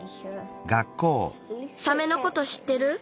サメのことしってる？